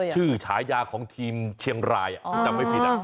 ฉายาของทีมเชียงรายจำไม่ผิด